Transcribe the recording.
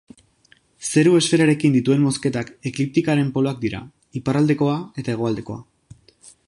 Zeru esferarekin dituen mozketak ekliptikaren poloak dira, iparraldekoa eta hegoaldekoa.